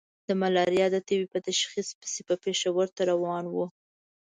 د ملاريا د تبې په تشخيص پسې به پېښور ته روان وو.